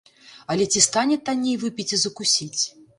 Але ці стане танней выпіць і закусіць?